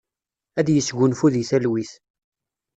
Ad yesgunfu di talwit.